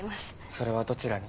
それはどちらに。